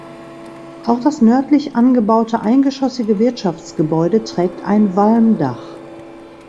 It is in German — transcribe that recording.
Auch das nördlich angebaute eingeschossige Wirtschaftsgebäude trägt ein Walmdach.